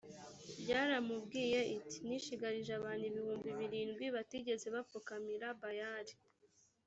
b yaramubwiye iti nishigarije abantu ibihumbi birindwi batigeze bapfukamira bayali